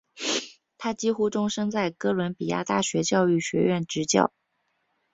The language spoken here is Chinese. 他几乎终生在哥伦比亚大学教育学院执教。